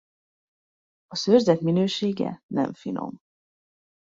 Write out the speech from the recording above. A szőrzet minősége nem finom.